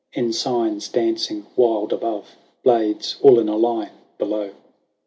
Ensigns dancing wild above. Blades all in line below.